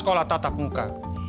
membuka sekolah tatap muka